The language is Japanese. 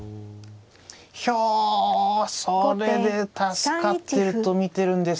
ひょそれで助かってると見てるんですか。